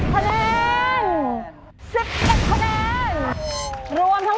๑๒คะแนน